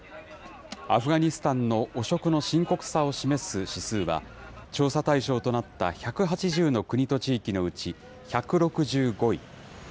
アフガニスタンの汚職の深刻さを示す指数は、調査対象となった１８０の国と地域のうち、１６５位。